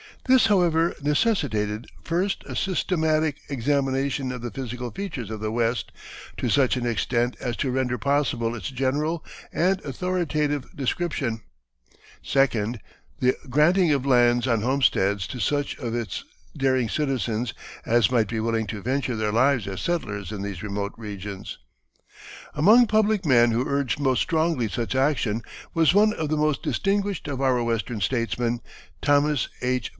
This, however, necessitated, first, a systematic examination of the physical features of the West to such an extent as to render possible its general and authoritative description; second, the granting of lands or homesteads to such of its daring citizens as might be willing to venture their lives as settlers in these remote regions. Among public men who urged most strongly such action was one of the most distinguished of our Western statesmen, Thomas H.